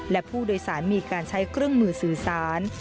และผู้โดยสารมีการใช้เครื่องมือสื่อสาร